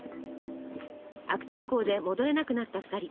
悪天候で戻れなくなった２人。